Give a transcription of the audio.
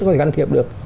có thể can thiệp được